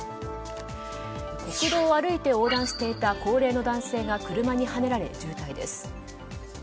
国道を歩いて横断していた高齢の男性が車にはねられ重体です。